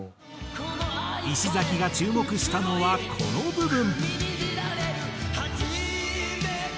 石崎が注目したのはこの部分。